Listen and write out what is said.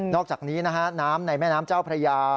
อกจากนี้นะฮะน้ำในแม่น้ำเจ้าพระยา